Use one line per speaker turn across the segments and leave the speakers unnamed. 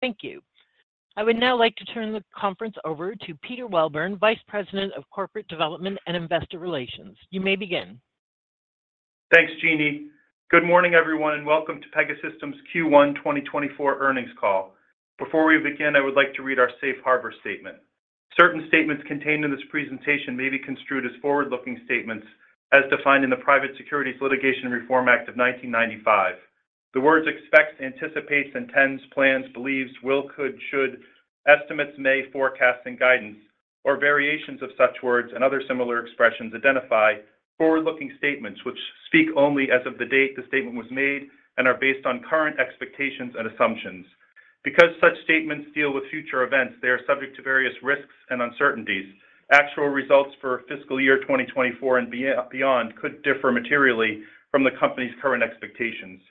Thank you. I would now like to turn the conference over to Peter Welburn, Vice President of Corporate Development and Investor Relations. You may begin.
Thanks, Jeannie. Good morning, everyone, and welcome to Pegasystems Q1 2024 earnings call. Before we begin, I would like to read our Safe Harbor Statement. Certain statements contained in this presentation may be construed as forward-looking statements, as defined in the Private Securities Litigation Reform Act of 1995. The words expects, anticipates, intends, plans, believes, will, could, should, estimates, may, forecasts, and guidance, or variations of such words and other similar expressions, identify forward-looking statements which speak only as of the date the statement was made and are based on current expectations and assumptions. Because such statements deal with future events, they are subject to various risks and uncertainties. Actual results for fiscal year 2024 and beyond could differ materially from the company's current expectations.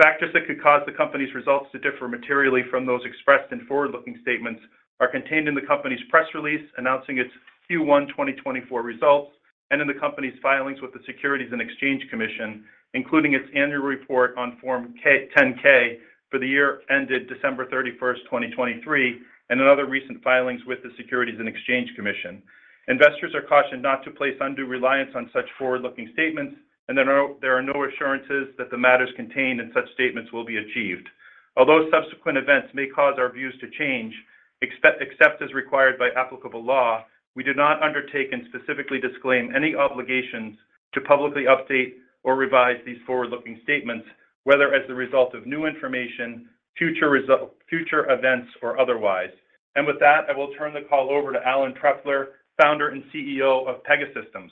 Factors that could cause the company's results to differ materially from those expressed in forward-looking statements are contained in the company's press release announcing its Q1 2024 results and in the company's filings with the Securities and Exchange Commission, including its annual report on Form 10-K for the year ended December 31st, 2023, and in other recent filings with the Securities and Exchange Commission. Investors are cautioned not to place undue reliance on such forward-looking statements, and there are no assurances that the matters contained in such statements will be achieved. Although subsequent events may cause our views to change, except as required by applicable law, we do not undertake and specifically disclaim any obligations to publicly update or revise these forward-looking statements, whether as the result of new information, future events, or otherwise. With that, I will turn the call over to Alan Trefler, Founder and CEO of Pegasystems.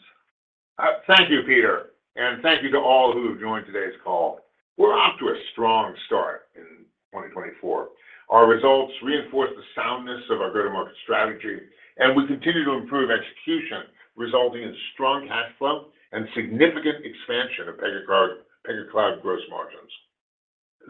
Thank you, Peter, and thank you to all who have joined today's call. We're off to a strong start in 2024. Our results reinforce the soundness of our go-to-market strategy, and we continue to improve execution, resulting in strong cash flow and significant expansion of Pega Cloud gross margins.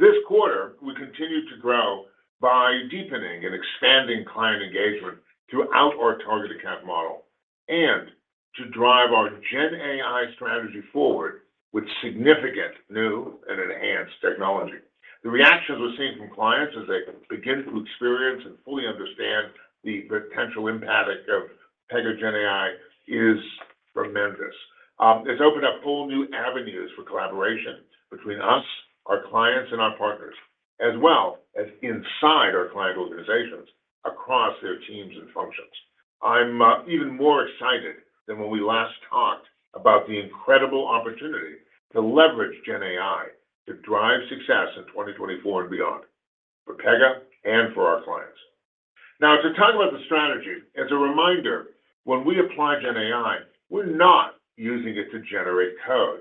This quarter, we continue to grow by deepening and expanding client engagement throughout our target account model and to drive our GenAI strategy forward with significant new and enhanced technology. The reactions we're seeing from clients as they begin to experience and fully understand the potential impact of Pega GenAI is tremendous. It's opened up whole new avenues for collaboration between us, our clients, and our partners, as well as inside our client organizations across their teams and functions. I'm even more excited than when we last talked about the incredible opportunity to leverage GenAI to drive success in 2024 and beyond for Pega and for our clients. Now, to talk about the strategy, as a reminder, when we apply GenAI, we're not using it to generate code.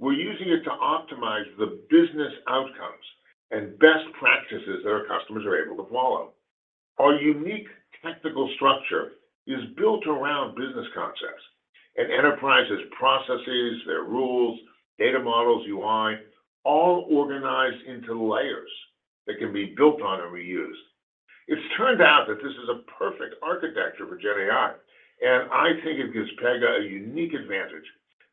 We're using it to optimize the business outcomes and best practices that our customers are able to follow. Our unique technical structure is built around business concepts and enterprises' processes, their rules, data models, UI, all organized into layers that can be built on and reused. It's turned out that this is a perfect architecture for GenAI, and I think it gives Pega a unique advantage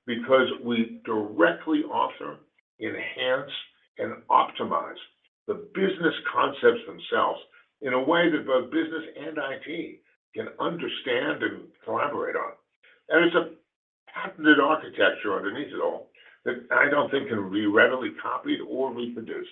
because we directly author, enhance, and optimize the business concepts themselves in a way that both business and IT can understand and collaborate on. It's a patented architecture underneath it all that I don't think can be readily copied or reproduced.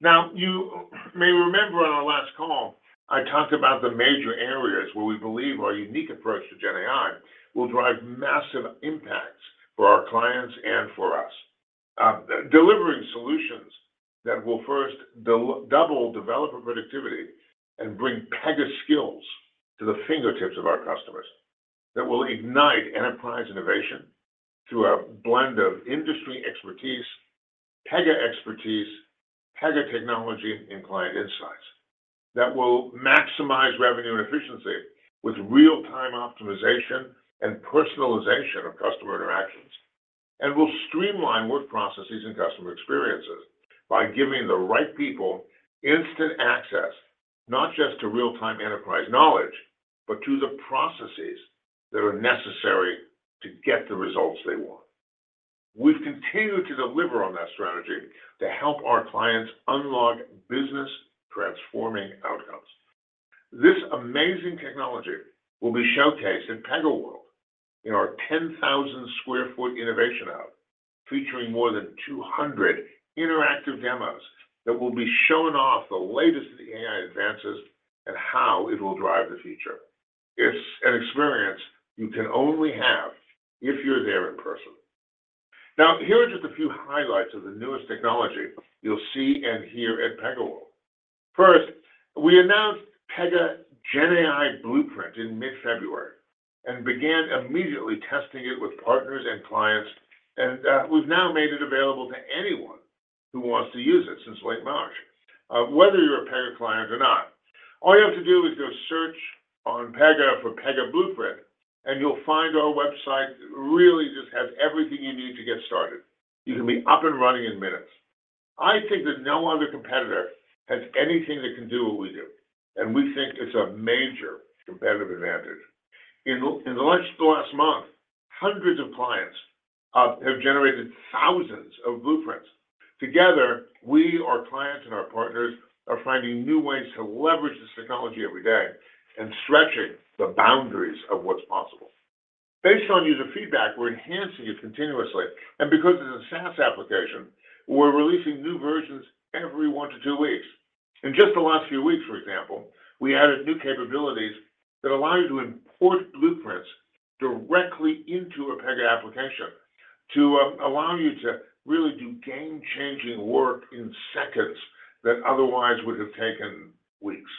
Now, you may remember on our last call, I talked about the major areas where we believe our unique approach to GenAI will drive massive impacts for our clients and for us, delivering solutions that will first double developer productivity and bring Pega skills to the fingertips of our customers that will ignite enterprise innovation through a blend of industry expertise, Pega expertise, Pega technology, and client insights that will maximize revenue and efficiency with real-time optimization and personalization of customer interactions, and will streamline work processes and customer experiences by giving the right people instant access not just to real-time enterprise knowledge, but to the processes that are necessary to get the results they want. We've continued to deliver on that strategy to help our clients unlock business-transforming outcomes. This amazing technology will be showcased at PegaWorld in our 10,000 sq ft Innovation Hub, featuring more than 200 interactive demos that will be showing off the latest in the AI advances and how it will drive the future. It's an experience you can only have if you're there in person. Now, here are just a few highlights of the newest technology you'll see and hear at PegaWorld. First, we announced Pega GenAI Blueprint in mid-February and began immediately testing it with partners and clients, and we've now made it available to anyone who wants to use it since late March, whether you're a Pega client or not. All you have to do is go search on Pega for Pega Blueprint, and you'll find our website really just has everything you need to get started. You can be up and running in minutes. I think that no other competitor has anything that can do what we do, and we think it's a major competitive advantage. In the last month, hundreds of clients have generated thousands of blueprints. Together, we, our clients, and our partners are finding new ways to leverage this technology every day and stretching the boundaries of what's possible. Based on user feedback, we're enhancing it continuously, and because it's a SaaS application, we're releasing new versions every 1-2 weeks. In just the last few weeks, for example, we added new capabilities that allow you to import blueprints directly into a Pega application to allow you to really do game-changing work in seconds that otherwise would have taken weeks.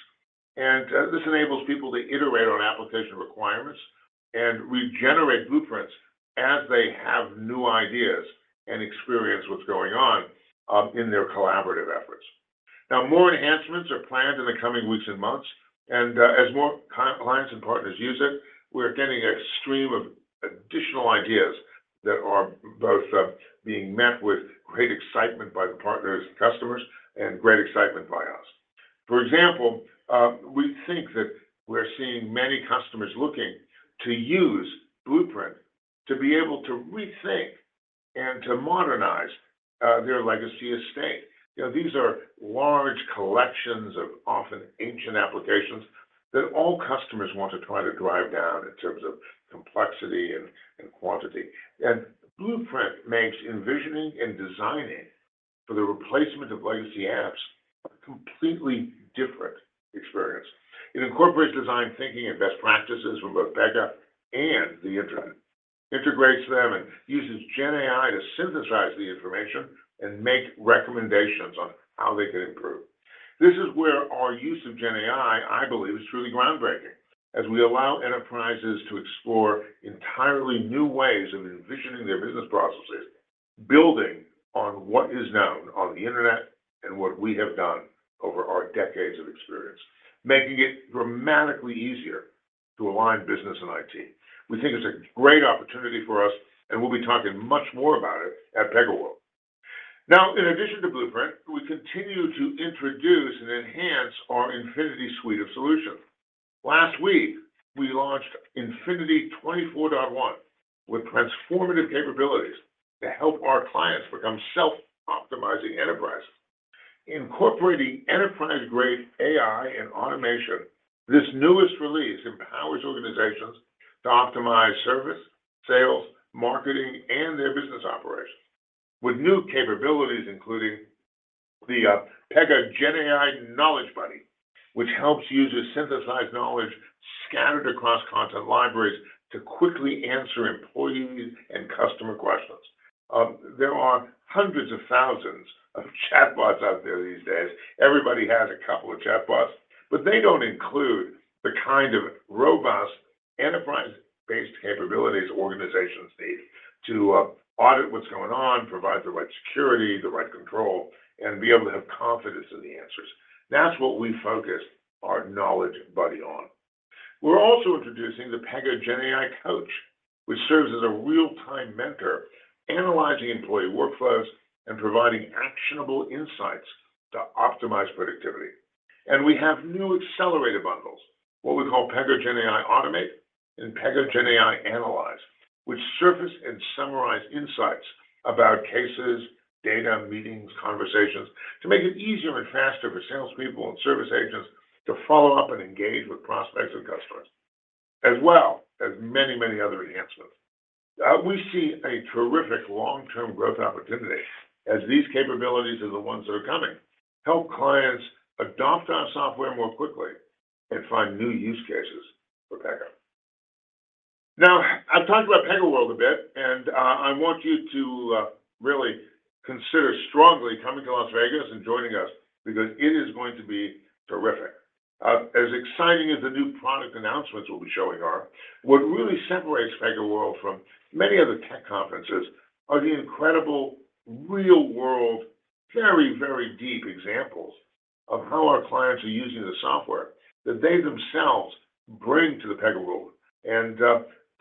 And this enables people to iterate on application requirements and regenerate blueprints as they have new ideas and experience what's going on in their collaborative efforts. Now, more enhancements are planned in the coming weeks and months, and as more clients and partners use it, we're getting a stream of additional ideas that are both being met with great excitement by the partners and customers and great excitement by us. For example, we think that we're seeing many customers looking to use Blueprint to be able to rethink and to modernize their legacy estate. These are large collections of often ancient applications that all customers want to try to drive down in terms of complexity and quantity. Blueprint makes envisioning and designing for the replacement of legacy apps a completely different experience. It incorporates design thinking and best practices from both Pega and the internet, integrates them, and uses GenAI to synthesize the information and make recommendations on how they can improve. This is where our use of GenAI, I believe, is truly groundbreaking, as we allow enterprises to explore entirely new ways of envisioning their business processes, building on what is known on the internet and what we have done over our decades of experience, making it dramatically easier to align business and IT. We think it's a great opportunity for us, and we'll be talking much more about it at PegaWorld. Now, in addition to Blueprint, we continue to introduce and enhance our Infinity suite of solutions. Last week, we launched Infinity '24.1 with transformative capabilities to help our clients become self-optimizing enterprises. Incorporating enterprise-grade AI and automation, this newest release empowers organizations to optimize service, sales, marketing, and their business operations with new capabilities, including the Pega GenAI Knowledge Buddy, which helps users synthesize knowledge scattered across content libraries to quickly answer employees' and customer questions. There are hundreds of thousands of chatbots out there these days. Everybody has a couple of chatbots, but they don't include the kind of robust enterprise-based capabilities organizations need to audit what's going on, provide the right security, the right control, and be able to have confidence in the answers. That's what we focus our Knowledge Buddy on. We're also introducing the Pega GenAI Coach, which serves as a real-time mentor, analyzing employee workflows and providing actionable insights to optimize productivity. We have new accelerator bundles, what we call Pega GenAI Automate and Pega GenAI Analyze, which surface and summarize insights about cases, data, meetings, conversations to make it easier and faster for salespeople and service agents to follow up and engage with prospects and customers, as well as many, many other enhancements. We see a terrific long-term growth opportunity as these capabilities are the ones that are coming, help clients adopt our software more quickly, and find new use cases for Pega. Now, I've talked about PegaWorld a bit, and I want you to really consider strongly coming to Las Vegas and joining us because it is going to be terrific. As exciting as the new product announcements we'll be showing are, what really separates PegaWorld from many other tech conferences are the incredible real-world, very, very deep examples of how our clients are using the software that they themselves bring to the PegaWorld and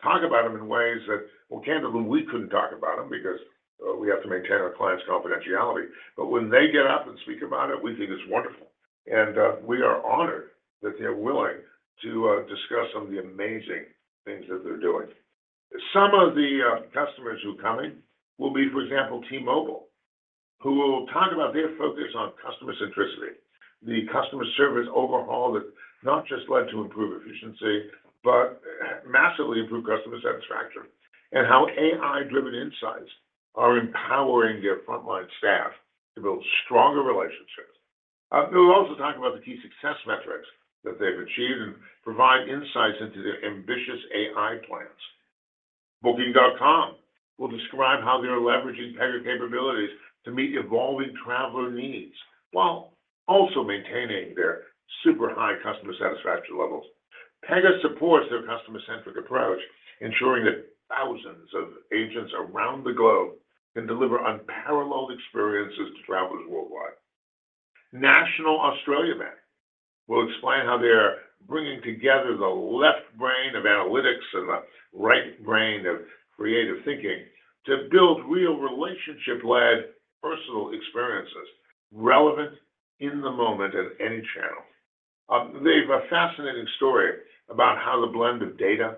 talk about them in ways that, well, candidly, we couldn't talk about them because we have to maintain our clients' confidentiality. But when they get up and speak about it, we think it's wonderful, and we are honored that they're willing to discuss some of the amazing things that they're doing. Some of the customers who are coming will be, for example, T-Mobile, who will talk about their focus on customer centricity, the customer service overhaul that not just led to improved efficiency, but massively improved customer satisfaction, and how AI-driven insights are empowering their frontline staff to build stronger relationships. They'll also talk about the key success metrics that they've achieved and provide insights into their ambitious AI plans. Booking.com will describe how they're leveraging Pega capabilities to meet evolving traveler needs while also maintaining their super high customer satisfaction levels. Pega supports their customer-centric approach, ensuring that thousands of agents around the globe can deliver unparalleled experiences to travelers worldwide. National Australia Bank will explain how they're bringing together the left brain of analytics and the right brain of creative thinking to build real relationship-led personal experiences relevant in the moment at any channel. They have a fascinating story about how the blend of data,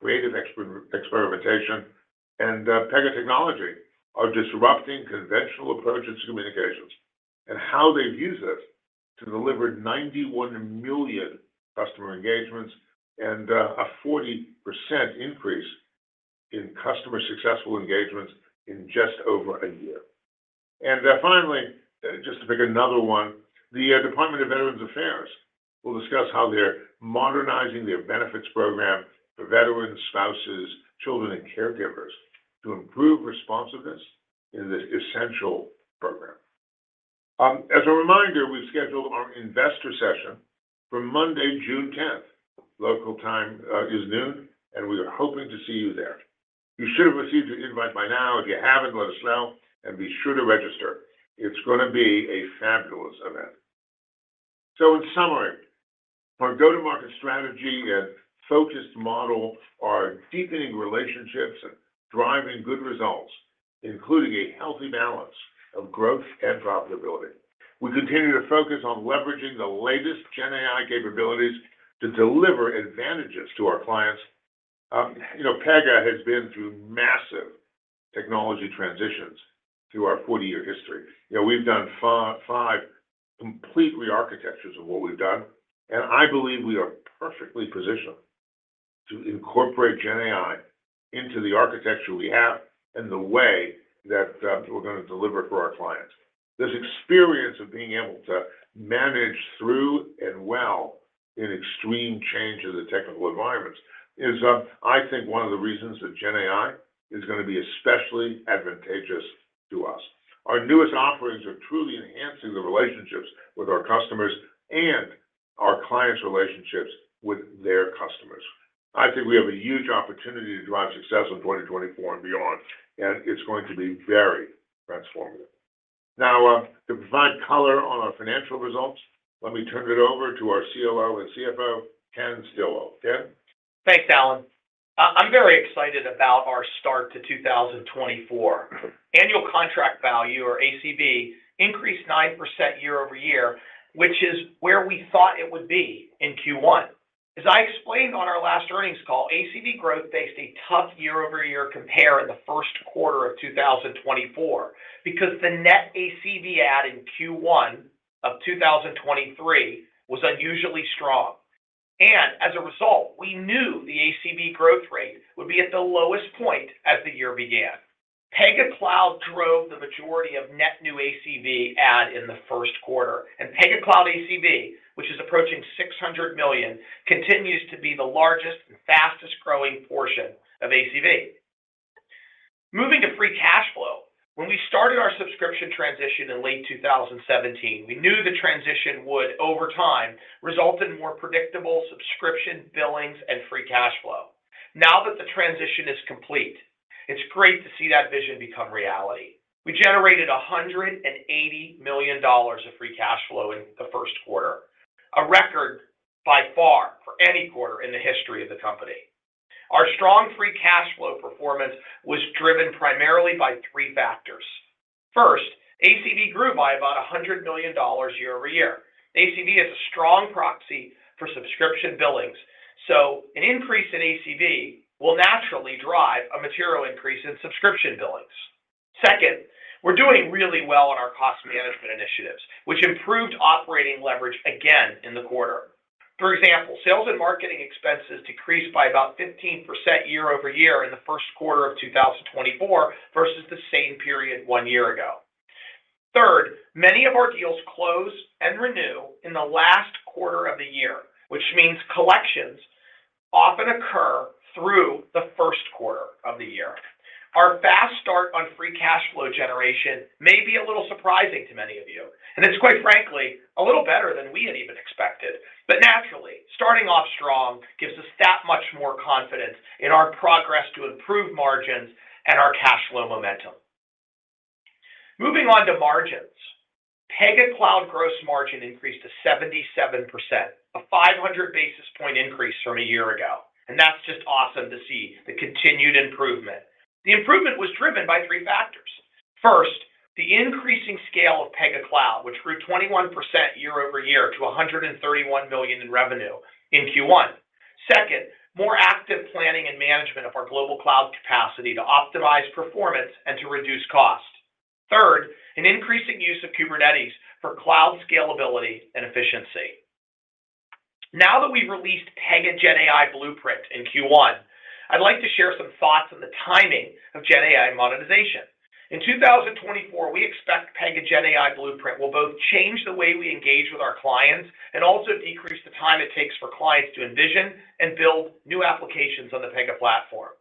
creative experimentation, and Pega technology are disrupting conventional approaches to communications and how they've used this to deliver 91 million customer engagements and a 40% increase in customer successful engagements in just over a year. Finally, just to pick another one, the Department of Veterans Affairs will discuss how they're modernizing their benefits program for veterans, spouses, children, and caregivers to improve responsiveness in this essential program. As a reminder, we've scheduled our investor session for Monday, June 10th. Local time is noon, and we are hoping to see you there. You should have received your invite by now. If you haven't, let us know and be sure to register. It's going to be a fabulous event. So, in summary, our go-to-market strategy and focused model are deepening relationships and driving good results, including a healthy balance of growth and profitability. We continue to focus on leveraging the latest GenAI capabilities to deliver advantages to our clients. Pega has been through massive technology transitions through our 40-year history. We've done five complete rearchitectures of what we've done, and I believe we are perfectly positioned to incorporate GenAI into the architecture we have and the way that we're going to deliver for our clients. This experience of being able to manage through and well in extreme change of the technical environments is, I think, one of the reasons that GenAI is going to be especially advantageous to us. Our newest offerings are truly enhancing the relationships with our customers and our clients' relationships with their customers. I think we have a huge opportunity to drive success in 2024 and beyond, and it's going to be very transformative. Now, to provide color on our financial results, let me turn it over to our COO and CFO, Ken Stillwell.
Thanks, Alan. I'm very excited about our start to 2024. Annual contract value, or ACV, increased 9% year-over-year, which is where we thought it would be in Q1. As I explained on our last earnings call, ACV growth faced a tough year-over-year compare in the first quarter of 2024 because the net ACV add in Q1 of 2023 was unusually strong. As a result, we knew the ACV growth rate would be at the lowest point as the year began. Pega Cloud drove the majority of net new ACV add in the first quarter, and Pega Cloud ACV, which is approaching $600 million, continues to be the largest and fastest-growing portion of ACV. Moving to free cash flow, when we started our subscription transition in late 2017, we knew the transition would, over time, result in more predictable subscription billings and free cash flow. Now that the transition is complete, it's great to see that vision become reality. We generated $180 million of free cash flow in the first quarter, a record by far for any quarter in the history of the company. Our strong free cash flow performance was driven primarily by three factors. First, ACV grew by about $100 million year-over-year. ACV is a strong proxy for subscription billings, so an increase in ACV will naturally drive a material increase in subscription billings. Second, we're doing really well on our cost management initiatives, which improved operating leverage again in the quarter. For example, sales and marketing expenses decreased by about 15% year-over-year in the first quarter of 2024 versus the same period one year ago. Third, many of our deals close and renew in the last quarter of the year, which means collections often occur through the first quarter of the year. Our fast start on free cash flow generation may be a little surprising to many of you, and it's, quite frankly, a little better than we had even expected. But naturally, starting off strong gives us that much more confidence in our progress to improve margins and our cash flow momentum. Moving on to margins, Pega Cloud gross margin increased to 77%, a 500 basis point increase from a year ago, and that's just awesome to see the continued improvement. The improvement was driven by three factors. First, the increasing scale of Pega Cloud, which grew 21% year-over-year to $131 million in revenue in Q1. Second, more active planning and management of our global cloud capacity to optimize performance and to reduce cost. Third, an increasing use of Kubernetes for cloud scalability and efficiency. Now that we've released Pega GenAI Blueprint in Q1, I'd like to share some thoughts on the timing of GenAI monetization. In 2024, we expect Pega GenAI Blueprint will both change the way we engage with our clients and also decrease the time it takes for clients to envision and build new applications on the Pega Platform.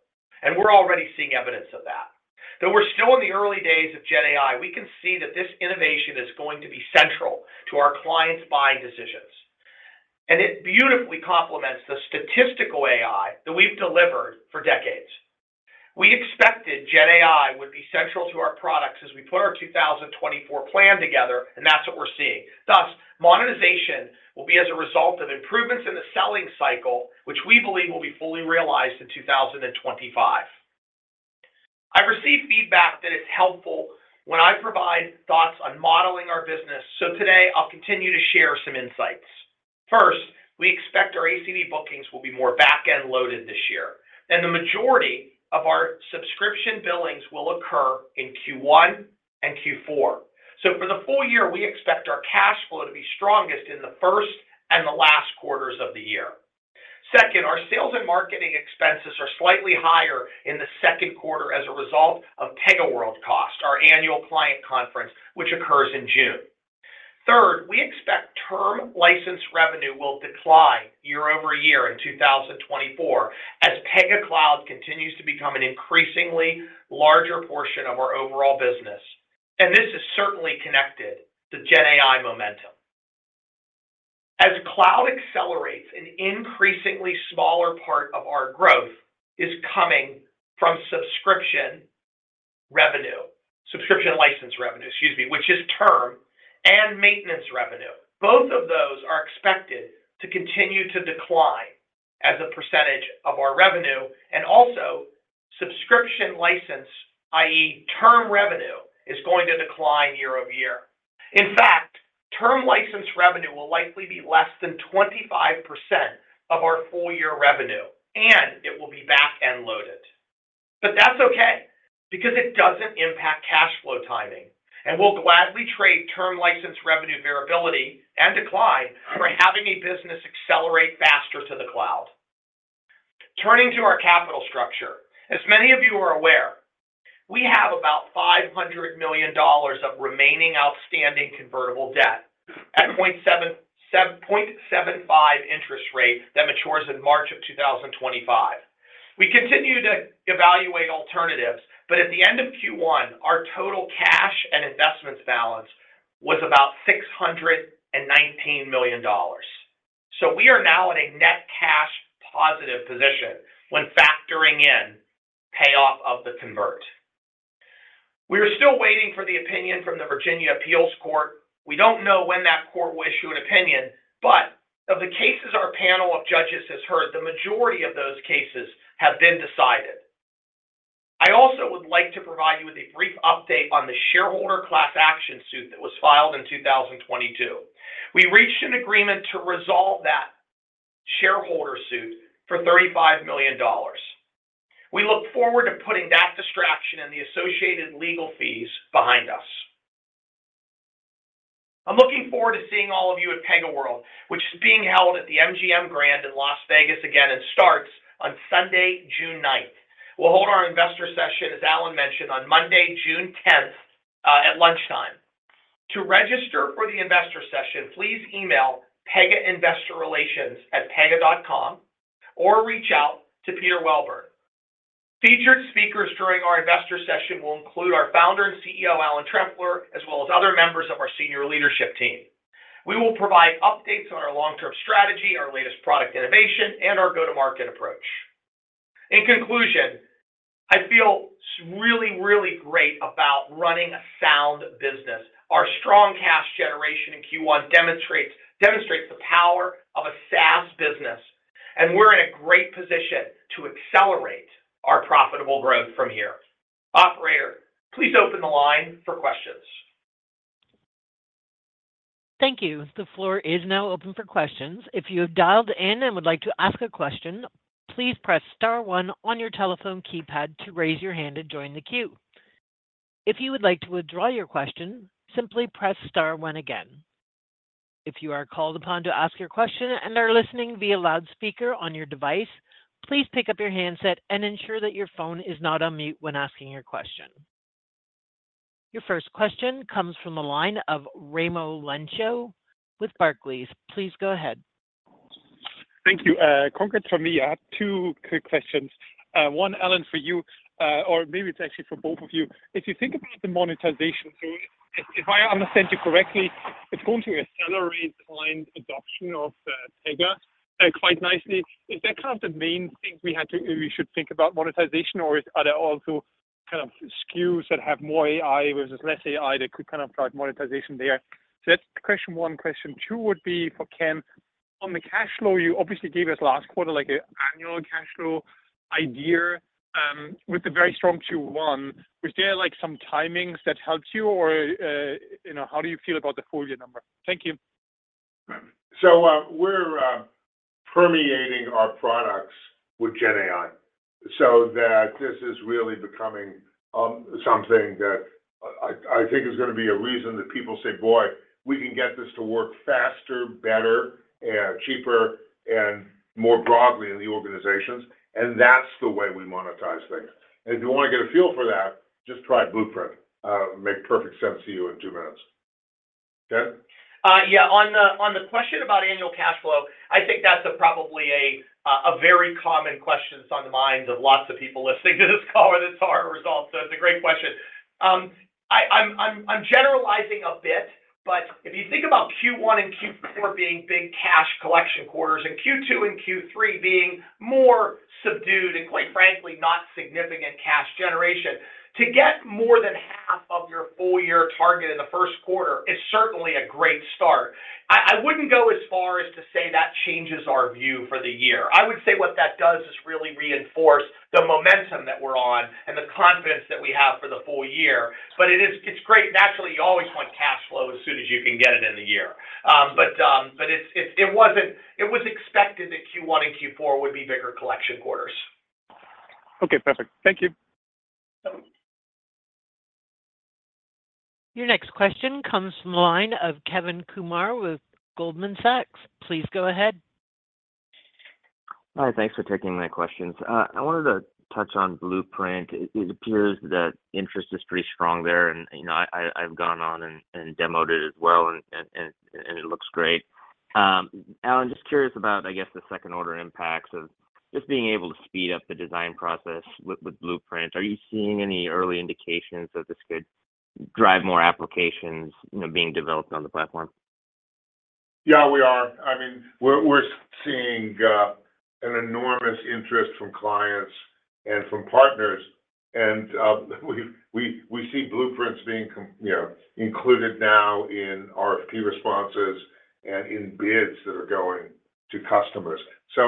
We're already seeing evidence of that. Though we're still in the early days of GenAI, we can see that this innovation is going to be central to our clients' buying decisions, and it beautifully complements the statistical AI that we've delivered for decades. We expected GenAI would be central to our products as we put our 2024 plan together, and that's what we're seeing. Thus, monetization will be as a result of improvements in the selling cycle, which we believe will be fully realized in 2025. I've received feedback that it's helpful when I provide thoughts on modeling our business, so today I'll continue to share some insights. First, we expect our ACV bookings will be more back-end loaded this year, and the majority of our subscription billings will occur in Q1 and Q4. So for the full year, we expect our cash flow to be strongest in the first and the last quarters of the year. Second, our sales and marketing expenses are slightly higher in the second quarter as a result of PegaWorld cost, our annual client conference, which occurs in June. Third, we expect term license revenue will decline year-over-year in 2024 as Pega Cloud continues to become an increasingly larger portion of our overall business, and this is certainly connected to GenAI momentum. As cloud accelerates, an increasingly smaller part of our growth is coming from subscription revenue, subscription license revenue, excuse me, which is term, and maintenance revenue. Both of those are expected to continue to decline as a percentage of our revenue, and also subscription license, i.e., term revenue, is going to decline year-over-year. In fact, term license revenue will likely be less than 25% of our full-year revenue, and it will be back-end loaded. But that's okay because it doesn't impact cash flow timing, and we'll gladly trade term license revenue variability and decline for having a business accelerate faster to the cloud. Turning to our capital structure, as many of you are aware, we have about $500 million of remaining outstanding convertible debt at 0.75% interest rate that matures in March of 2025. We continue to evaluate alternatives, but at the end of Q1, our total cash and investments balance was about $619 million. So we are now at a net cash positive position when factoring in payoff of the convert. We are still waiting for the opinion from the Virginia Appeals Court. We don't know when that court will issue an opinion, but of the cases our panel of judges has heard, the majority of those cases have been decided. I also would like to provide you with a brief update on the shareholder class action suit that was filed in 2022. We reached an agreement to resolve that shareholder suit for $35 million. We look forward to putting that distraction and the associated legal fees behind us. I'm looking forward to seeing all of you at PegaWorld, which is being held at the MGM Grand in Las Vegas again and starts on Sunday, June 9th. We'll hold our investor session, as Alan mentioned, on Monday, June 10th at lunchtime. To register for the investor session, please email pegainvestorrelations@pega.com or reach out to Peter Welburn. Featured speakers during our investor session will include our founder and CEO, Alan Trefler, as well as other members of our senior leadership team. We will provide updates on our long-term strategy, our latest product innovation, and our go-to-market approach. In conclusion, I feel really, really great about running a sound business. Our strong cash generation in Q1 demonstrates the power of a SaaS business, and we're in a great position to accelerate our profitable growth from here. Operator, please open the line for questions.
Thank you. The floor is now open for questions. If you have dialed in and would like to ask a question, please press star one on your telephone keypad to raise your hand to join the queue. If you would like to withdraw your question, simply press star one again. If you are called upon to ask your question and are listening via loudspeaker on your device, please pick up your handset and ensure that your phone is not on mute when asking your question. Your first question comes from the line of Raimo Lenschow with Barclays. Please go ahead.
Thank you. Congrats from me. I have two quick questions. One, Alan, for you, or maybe it's actually for both of you. If you think about the monetization, so if I understand you correctly, it's going to accelerate client adoption of Pega quite nicely. Is that kind of the main thing we should think about, monetization, or are there also kind of SKUs that have more AI versus less AI that could kind of drive monetization there? So that's question one. Question two would be for Ken. On the cash flow, you obviously gave us last quarter an annual cash flow idea with a very strong Q1. Was there some timings that helped you, or how do you feel about the full-year number? Thank you.
So we're permeating our products with GenAI so that this is really becoming something that I think is going to be a reason that people say, "Boy, we can get this to work faster, better, cheaper, and more broadly in the organizations." And that's the way we monetize things. And if you want to get a feel for that, just try Blueprint. It makes perfect sense to you in two minutes. Ken?
Yeah. On the question about annual cash flow, I think that's probably a very common question that's on the minds of lots of people listening to this call that's our result. So it's a great question. I'm generalizing a bit, but if you think about Q1 and Q4 being big cash collection quarters and Q2 and Q3 being more subdued and, quite frankly, not significant cash generation, to get more than half of your full-year target in the first quarter is certainly a great start. I wouldn't go as far as to say that changes our view for the year. I would say what that does is really reinforce the momentum that we're on and the confidence that we have for the full year. But it's great. Naturally, you always want cash flow as soon as you can get it in the year. But it was expected that Q1 and Q4 would be bigger collection quarters.
Okay. Perfect. Thank you.
Your next question comes from the line of Kevin Kumar with Goldman Sachs. Please go ahead.
Hi. Thanks for taking my questions. I wanted to touch on Blueprint. It appears that interest is pretty strong there, and I've gone on and demoed it as well, and it looks great. Alan, just curious about, I guess, the second-order impacts of just being able to speed up the design process with Blueprint. Are you seeing any early indications that this could drive more applications being developed on the platform?
Yeah, we are. I mean, we're seeing an enormous interest from clients and from partners, and we see Blueprints being included now in RFP responses and in bids that are going to customers. So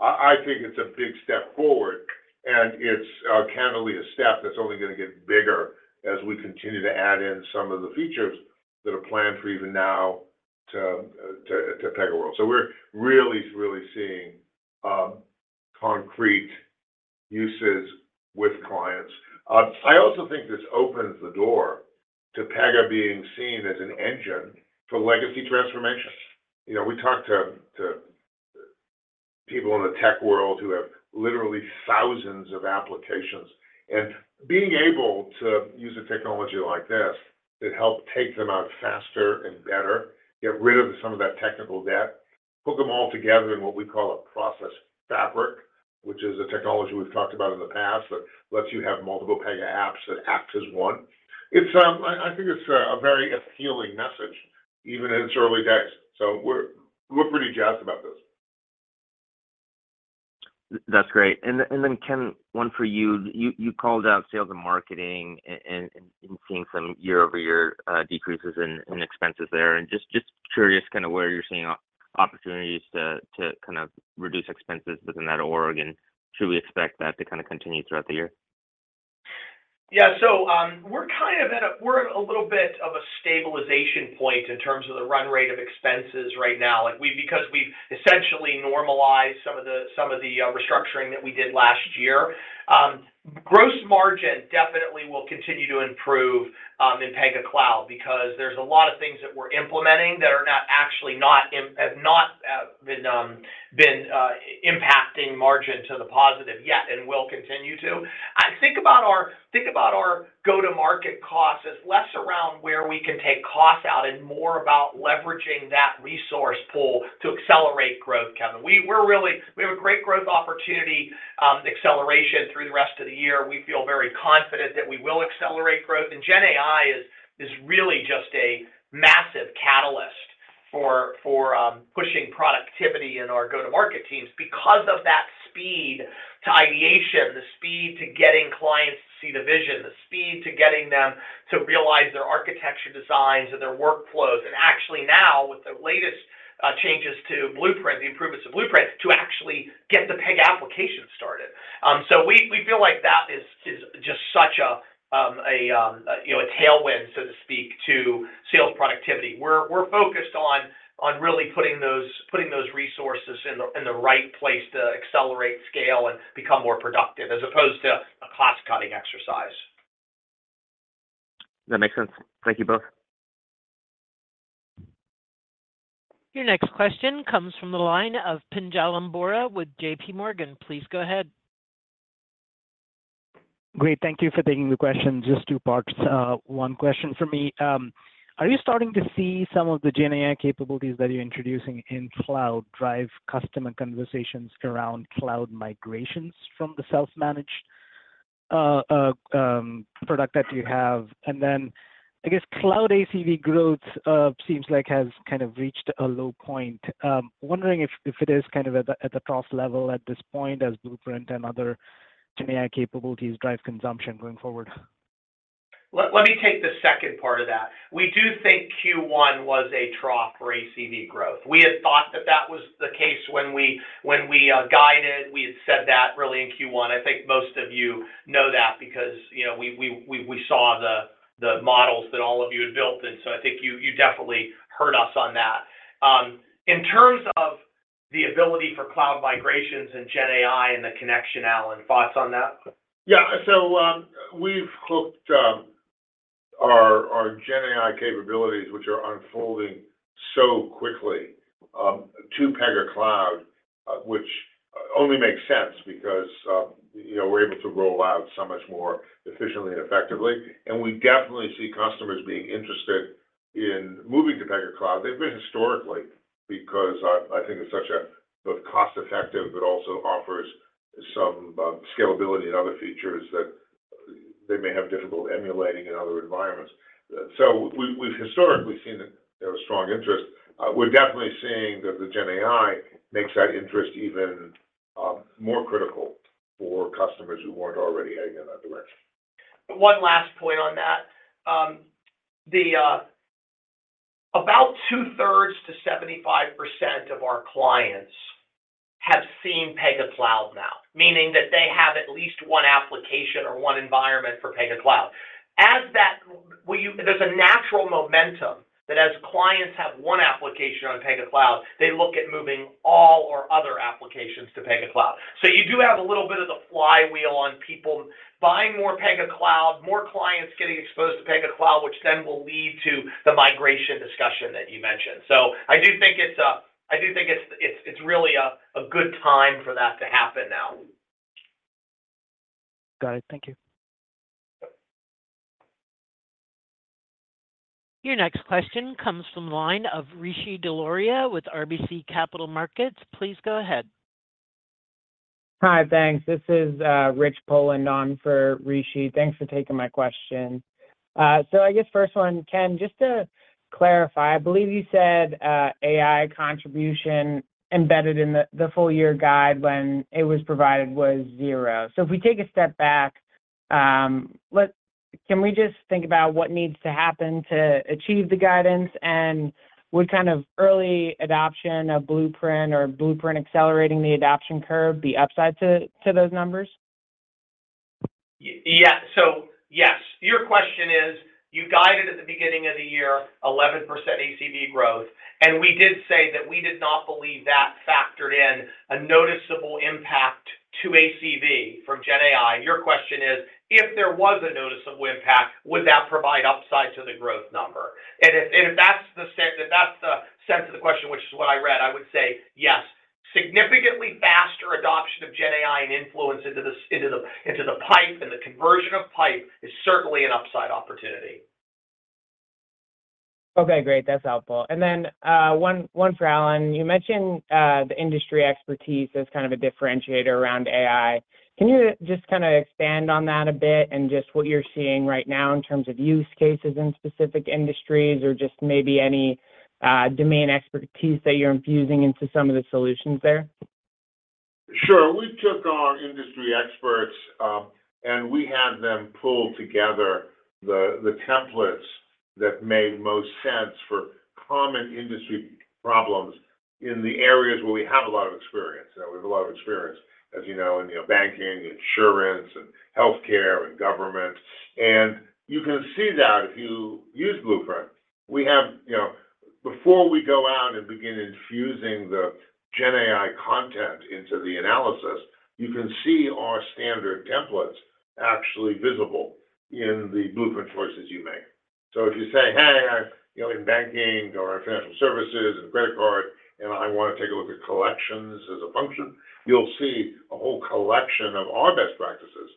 I think it's a big step forward, and it's candidly a step that's only going to get bigger as we continue to add in some of the features that are planned for even now to PegaWorld. So we're really, really seeing concrete uses with clients. I also think this opens the door to Pega being seen as an engine for legacy transformation. We talk to people in the tech world who have literally thousands of applications, and being able to use a technology like this that helps take them out faster and better, get rid of some of that technical debt, hook them all together in what we call a Process Fabric, which is a technology we've talked about in the past that lets you have multiple Pega apps that act as one. I think it's a very appealing message, even in its early days. So we're pretty jazzed about this.
That's great. And then, Ken, one for you. You called out sales and marketing and seeing some year-over-year decreases in expenses there. Just curious kind of where you're seeing opportunities to kind of reduce expenses within that org, and should we expect that to kind of continue throughout the year?
Yeah. So we're kind of at a little bit of a stabilization point in terms of the run rate of expenses right now because we've essentially normalized some of the restructuring that we did last year. Gross margin definitely will continue to improve in Pega Cloud because there's a lot of things that we're implementing that actually have not been impacting margin to the positive yet and will continue to. Think about our go-to-market costs as less around where we can take costs out and more about leveraging that resource pool to accelerate growth, Kevin. We have a great growth opportunity acceleration through the rest of the year. We feel very confident that we will accelerate growth. GenAI is really just a massive catalyst for pushing productivity in our go-to-market teams because of that speed to ideation, the speed to getting clients to see the vision, the speed to getting them to realize their architecture designs and their workflows, and actually now with the latest changes to Blueprint, the improvements to Blueprint, to actually get the Pega application started. So we feel like that is just such a tailwind, so to speak, to sales productivity. We're focused on really putting those resources in the right place to accelerate scale and become more productive as opposed to a cost-cutting exercise.
That makes sense. Thank you both.
Your next question comes from the line of Pinjalim Bora with JPMorgan. Please go ahead.
Great. Thank you for taking the question. Just two parts. One question for me. Are you starting to see some of the GenAI capabilities that you're introducing in cloud drive customer conversations around cloud migrations from the self-managed product that you have? And then, I guess, cloud ACV growth seems like has kind of reached a low point. Wondering if it is kind of at the trough level at this point as Blueprint and other GenAI capabilities drive consumption going forward.
Let me take the second part of that. We do think Q1 was a trough for ACV growth. We had thought that that was the case when we guided. We had said that really in Q1. I think most of you know that because we saw the models that all of you had built, and so I think you definitely heard us on that. In terms of the ability for cloud migrations and GenAI and the connection, Alan, thoughts on that?
Yeah. So we've hooked our GenAI capabilities, which are unfolding so quickly, to Pega Cloud, which only makes sense because we're able to roll out so much more efficiently and effectively. And we definitely see customers being interested in moving to Pega Cloud. They've been historically because I think it's both cost-effective but also offers some scalability and other features that they may have difficulty emulating in other environments. So we've historically seen that there was strong interest. We're definitely seeing that the GenAI makes that interest even more critical for customers who weren't already heading in that direction.
One last point on that. About 2/3 to 75% of our clients have seen Pega Cloud now, meaning that they have at least one application or one environment for Pega Cloud. There's a natural momentum that as clients have one application on Pega Cloud, they look at moving all or other applications to Pega Cloud. So you do have a little bit of the flywheel on people buying more Pega Cloud, more clients getting exposed to Pega Cloud, which then will lead to the migration discussion that you mentioned. So I do think it's a I do think it's really a good time for that to happen now.
Got it. Thank you.
Your next question comes from the line of Rishi Jaluria with RBC Capital Markets. Please go ahead.
Hi. Thanks. This is Rich Poland on for Rishi. Thanks for taking my question. So I guess first one, Ken, just to clarify, I believe you said AI contribution embedded in the full-year guide when it was provided was zero. So if we take a step back, can we just think about what needs to happen to achieve the guidance, and would kind of early adoption of Blueprint or Blueprint accelerating the adoption curve be upside to those numbers?
Yeah. So yes. Your question is, you guided at the beginning of the year, 11% ACV growth, and we did say that we did not believe that factored in a noticeable impact to ACV from GenAI. Your question is, if there was a noticeable impact, would that provide upside to the growth number? And if that's the sense of the question, which is what I read, I would say yes. Significantly faster adoption of GenAI and influence into the pipe and the conversion of pipe is certainly an upside opportunity.
Okay. Great. That's helpful. And then one for Alan. You mentioned the industry expertise as kind of a differentiator around AI. Can you just kind of expand on that a bit and just what you're seeing right now in terms of use cases in specific industries or just maybe any domain expertise that you're infusing into some of the solutions there?
Sure. We took our industry experts, and we had them pull together the templates that made most sense for common industry problems in the areas where we have a lot of experience. We have a lot of experience, as you know, in banking and insurance and healthcare and government. And you can see that if you use Blueprint. Before we go out and begin infusing the GenAI content into the analysis, you can see our standard templates actually visible in the Blueprint choices you make. So if you say, "Hey, in banking or in financial services and credit card, and I want to take a look at collections as a function," you'll see a whole collection of our best practices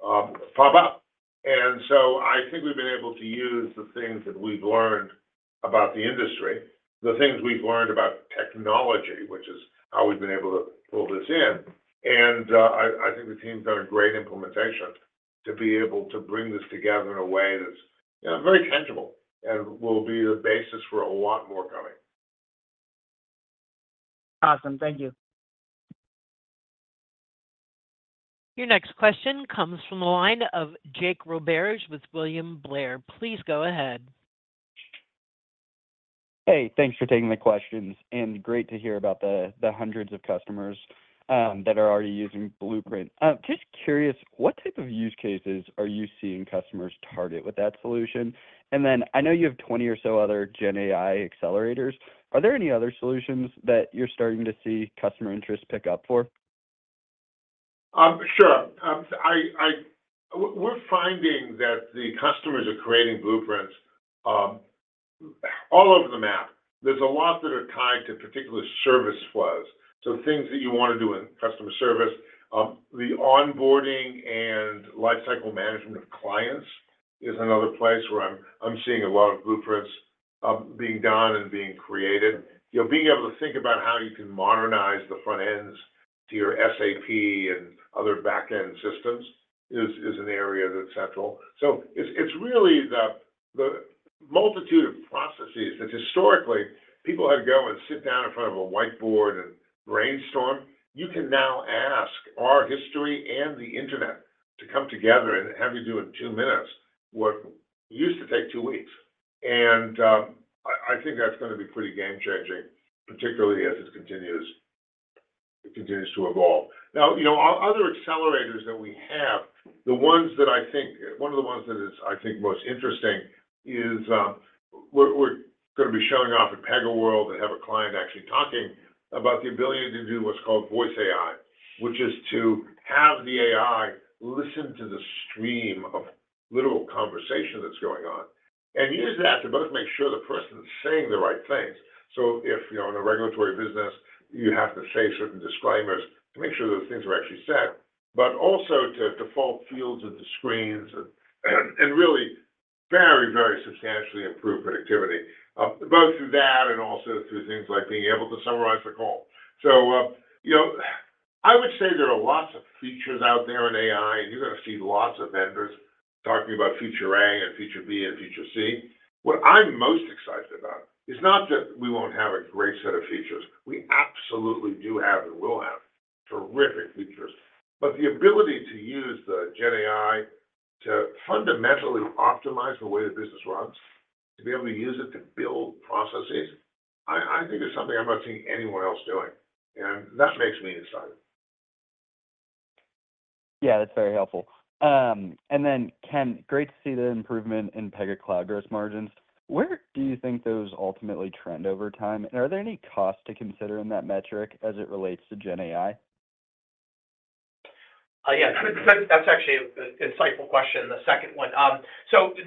pop up. And so I think we've been able to use the things that we've learned about the industry, the things we've learned about technology, which is how we've been able to pull this in. And I think the team's done a great implementation to be able to bring this together in a way that's very tangible and will be the basis for a lot more coming.
Awesome. Thank you.
Your next question comes from the line of Jake Roberge with William Blair. Please go ahead.
Hey. Thanks for taking the questions, and great to hear about the hundreds of customers that are already using Blueprint. Just curious, what type of use cases are you seeing customers target with that solution? And then I know you have 20 or so other GenAI accelerators. Are there any other solutions that you're starting to see customer interest pick up for?
Sure. We're finding that the customers are creating blueprints all over the map. There's a lot that are tied to particular service flows. So things that you want to do in customer service, the onboarding and lifecycle management of clients is another place where I'm seeing a lot of blueprints being done and being created. Being able to think about how you can modernize the front ends to your SAP and other back-end systems is an area that's central. So it's really the multitude of processes that historically, people had to go and sit down in front of a whiteboard and brainstorm. You can now ask our history and the internet to come together and have you do in two minutes what used to take two weeks. I think that's going to be pretty game-changing, particularly as it continues to evolve. Now, other accelerators that we have, the ones that I think one of the ones that is, I think, most interesting is we're going to be showing off at PegaWorld and have a client actually talking about the ability to do what's called Voice AI, which is to have the AI listen to the stream of literal conversation that's going on and use that to both make sure the person's saying the right things. So if in a regulatory business, you have to say certain disclaimers to make sure those things are actually said, but also to default fields of the screens and really very, very substantially improve productivity, both through that and also through things like being able to summarize the call. So I would say there are lots of features out there in AI, and you're going to see lots of vendors talking about feature A and feature B and feature C. What I'm most excited about is not that we won't have a great set of features. We absolutely do have and will have terrific features. But the ability to use the GenAI to fundamentally optimize the way the business runs, to be able to use it to build processes, I think is something I'm not seeing anyone else doing. And that makes me excited.
Yeah. That's very helpful. Then, Ken, great to see the improvement in Pega Cloud gross margins. Where do you think those ultimately trend over time? And are there any costs to consider in that metric as it relates to GenAI?
Yeah. That's actually an insightful question, the second one. So we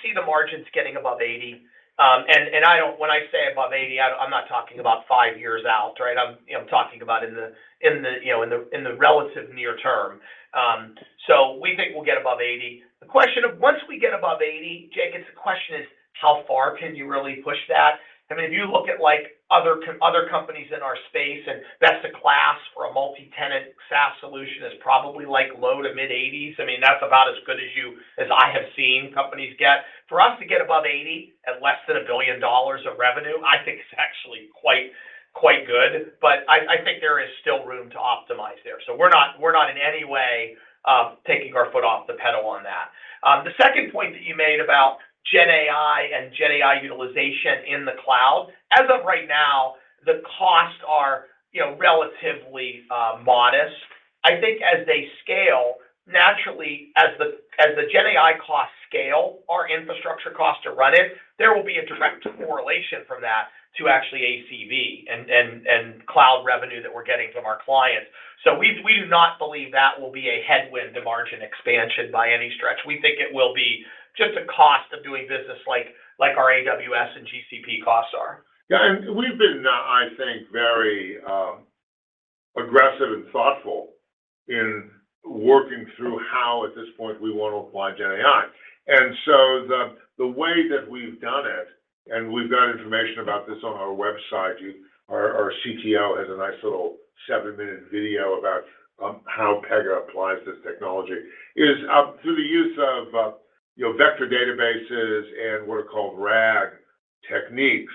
see the margins getting above 80. And when I say above 80, I'm not talking about five years out, right? I'm talking about in the relative near term. So we think we'll get above 80. The question of once we get above 80, Jake, it's the question is, how far can you really push that? I mean, if you look at other companies in our space, and best of class for a multi-tenant SaaS solution is probably low-to-mid 80s. I mean, that's about as good as I have seen companies get. For us to get above 80% at less than $1 billion of revenue, I think is actually quite good. But I think there is still room to optimize there. So we're not in any way taking our foot off the pedal on that. The second point that you made about GenAI and GenAI utilization in the cloud, as of right now, the costs are relatively modest. I think as they scale, naturally, as the GenAI costs scale, our infrastructure costs to run it, there will be a direct correlation from that to actually ACV and cloud revenue that we're getting from our clients. So we do not believe that will be a headwind to margin expansion by any stretch. We think it will be just a cost of doing business like our AWS and GCP costs are.
Yeah. We've been, I think, very aggressive and thoughtful in working through how, at this point, we want to apply GenAI. So the way that we've done it, and we've got information about this on our website. Our CTO has a nice little 7-minute video about how Pega applies this technology, is through the use of vector databases and what are called RAG techniques,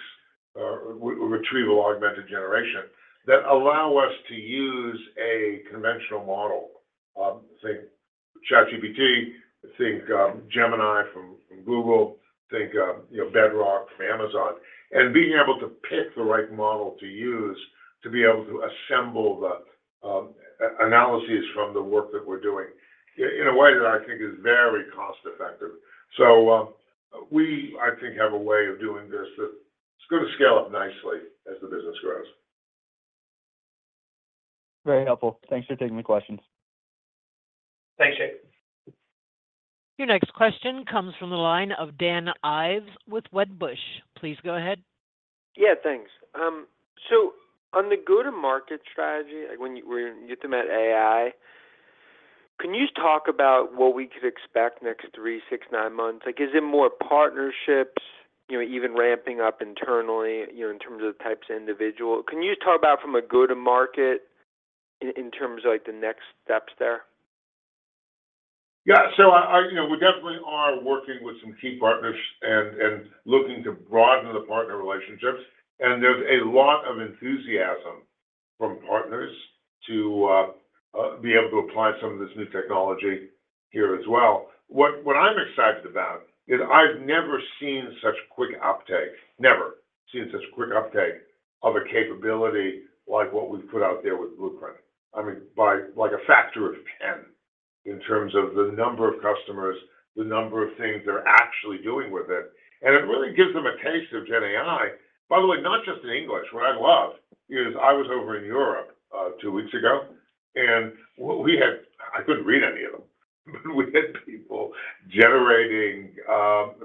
retrieval augmented generation, that allow us to use a conventional model thing. ChatGPT, think Gemini from Google, think Bedrock from Amazon. And being able to pick the right model to use to be able to assemble the analyses from the work that we're doing in a way that I think is very cost-effective. So we, I think, have a way of doing this that's going to scale up nicely as the business grows.
Very helpful. Thanks for taking the questions.
Thanks, Jake.
Your next question comes from the line of Dan Ives with Wedbush. Please go ahead.
Yeah. Thanks. So on the go-to-market strategy, when you're talking about AI, can you just talk about what we could expect next 3, 6, 9 months? Is it more partnerships, even ramping up internally in terms of the types of individual? Can you just talk about from a go-to-market in terms of the next steps there?
Yeah. So we definitely are working with some key partners and looking to broaden the partner relationships. And there's a lot of enthusiasm from partners to be able to apply some of this new technology here as well. What I'm excited about is I've never seen such quick uptake, never seen such quick uptake of a capability like what we've put out there with Blueprint. I mean, by a factor of 10 in terms of the number of customers, the number of things they're actually doing with it. And it really gives them a taste of GenAI. By the way, not just in English. What I love is I was over in Europe two weeks ago, and I couldn't read any of them, but we had people generating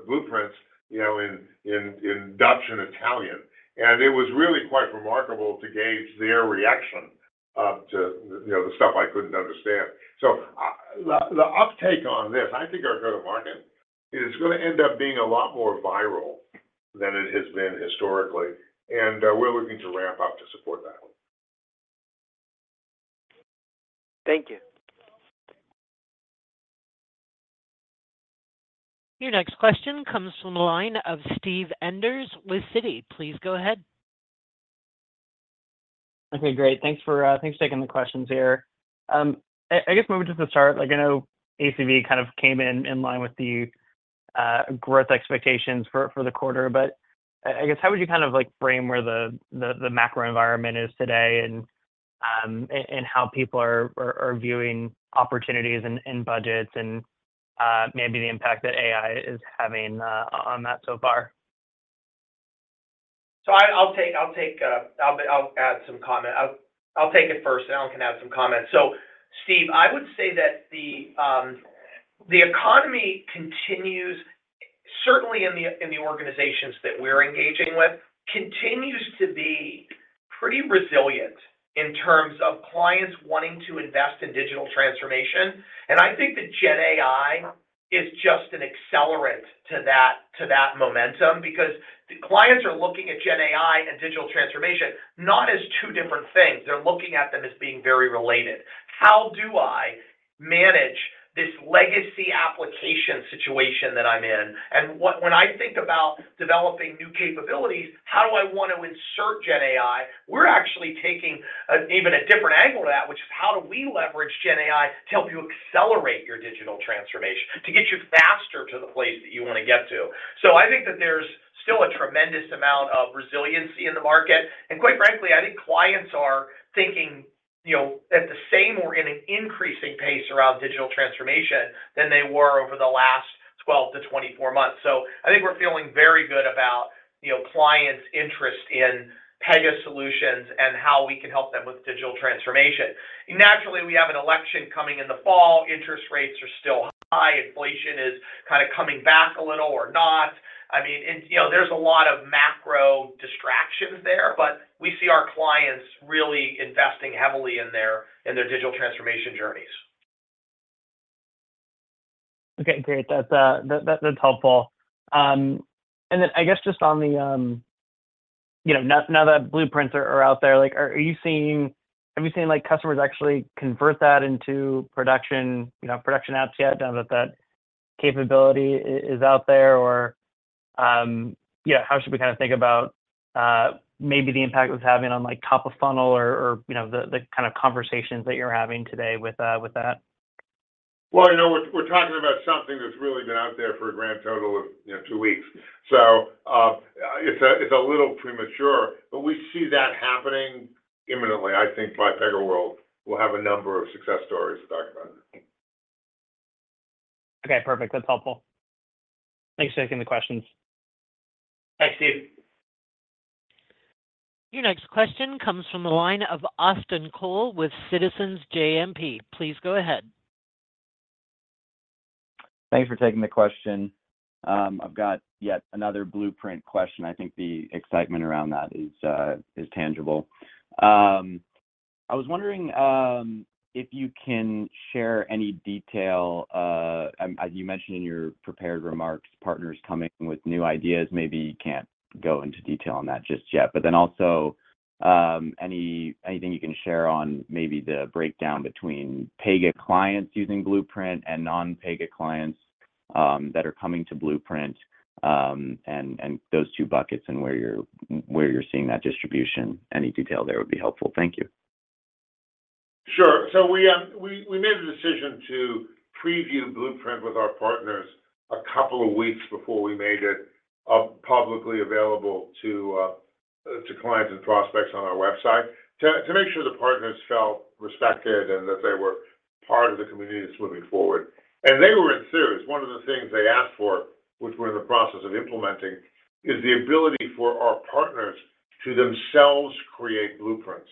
blueprints in Dutch and Italian. And it was really quite remarkable to gauge their reaction to the stuff I couldn't understand. So the uptake on this, I think, our go-to-market is going to end up being a lot more viral than it has been historically. And we're looking to ramp up to support that.
Thank you.
Your next question comes from the line of Steve Enders with Citi. Please go ahead.
Okay. Great. Thanks for taking the questions here. I guess maybe just to start, I know ACV kind of came in line with the growth expectations for the quarter. But I guess how would you kind of frame where the macro environment is today and how people are viewing opportunities and budgets and maybe the impact that AI is having on that so far?
So I'll take I'll add some comment. I'll take it first, and Alan can add some comments. So, Steve, I would say that the economy continues, certainly in the organizations that we're engaging with, continues to be pretty resilient in terms of clients wanting to invest in digital transformation. I think that GenAI is just an accelerant to that momentum because clients are looking at GenAI and digital transformation not as two different things. They're looking at them as being very related. How do I manage this legacy application situation that I'm in? And when I think about developing new capabilities, how do I want to insert GenAI? We're actually taking even a different angle to that, which is how do we leverage GenAI to help you accelerate your digital transformation, to get you faster to the place that you want to get to? I think that there's still a tremendous amount of resiliency in the market. Quite frankly, I think clients are thinking at the same or in an increasing pace around digital transformation than they were over the last 12-24 months. I think we're feeling very good about clients' interest in Pega solutions and how we can help them with digital transformation. Naturally, we have an election coming in the fall. Interest rates are still high. Inflation is kind of coming back a little or not. I mean, there's a lot of macro distractions there, but we see our clients really investing heavily in their digital transformation journeys.
Okay. Great. That's helpful. Then I guess just on the now that blueprints are out there, have you seen customers actually convert that into production apps yet, now that that capability is out there? Or how should we kind of think about maybe the impact it was having on top of funnel or the kind of conversations that you're having today with that?
Well, we're talking about something that's really been out there for a grand total of two weeks. So it's a little premature. But we see that happening imminently. I think my PegaWorld will have a number of success stories to talk about.
Okay. Perfect. That's helpful. Thanks for taking the questions.
Thanks, Steve.
Your next question comes from the line of Austin Cole with Citizens JMP. Please go ahead.
Thanks for taking the question. I've got yet another Blueprint question. I think the excitement around that is tangible. I was wondering if you can share any detail. As you mentioned in your prepared remarks, partners coming with new ideas. Maybe you can't go into detail on that just yet. But then also, anything you can share on maybe the breakdown between Pega clients using Blueprint and non-Pega clients that are coming to Blueprint and those two buckets and where you're seeing that distribution. Any detail there would be helpful. Thank you.
Sure. So we made the decision to preview Blueprint with our partners a couple of weeks before we made it publicly available to clients and prospects on our website to make sure the partners felt respected and that they were part of the community that's moving forward. And they were in theory. It's one of the things they asked for, which we're in the process of implementing, is the ability for our partners to themselves create blueprints